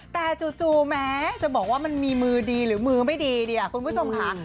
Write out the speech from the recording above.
แต่จู่แม้จะบอกว่ามันมีมือดีหรือมือไม่ดีเนี่ยคุณผู้ชมค่ะ